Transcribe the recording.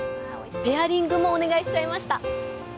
ペアリングもお願いしちゃいました。